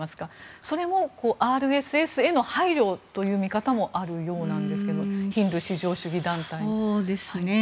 それもＲＳＳへの配慮という見方もあるようなんですがヒンドゥー至上主義団体は。